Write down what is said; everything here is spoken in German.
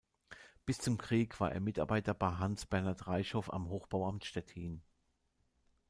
Bis zum Krieg war er Mitarbeiter bei Hans Bernhard Reichow am Hochbauamt Stettin.